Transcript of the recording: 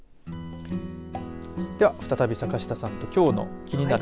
では再び坂下さんときょうのキニナル！